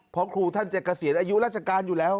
เพราะครูท่านจะเกษียณอายุราชการอยู่แล้ว